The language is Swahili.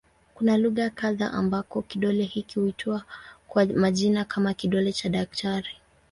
Kuna lugha kadha ambako kidole hiki huitwa kwa majina kama "kidole cha daktari".